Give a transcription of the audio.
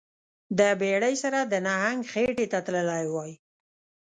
د بیړۍ سره د نهنګ خیټې ته تللی وای